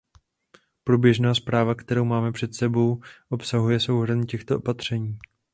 Průběžná zpráva, kterou máme před sebou, obsahuje souhrn těchto opatření.